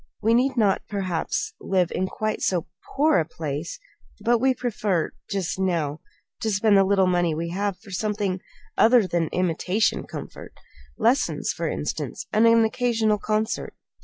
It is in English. "We need not, perhaps, live in quite so poor a place; but we prefer just now to spend the little money we have for something other than imitation comfort lessons, for instance, and an occasional concert.